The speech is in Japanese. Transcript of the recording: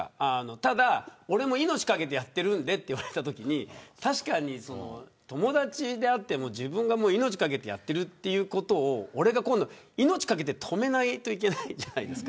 ただ俺も命を懸けてやってるんでと言われたとき友達であっても自分が命を懸けてやっているということを今度は、俺が命懸けて止めないといけないじゃないですか。